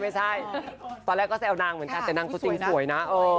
ไม่ใช่ตอนแรกก็แซวนางเหมือนกันแต่นางตัวจริงสวยนะ